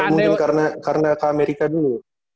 mungkin karena ke amerika dulu